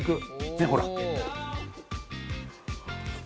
ねっほら。